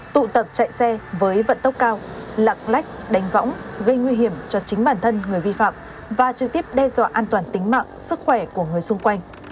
tụ tập chạy xe với vận tốc cao lạc lách đánh võng gây nguy hiểm cho chính bản thân người vi phạm và trực tiếp đe dọa an toàn tính mạng sức khỏe của người xung quanh